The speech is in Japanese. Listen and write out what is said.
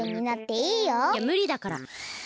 いやむりだから。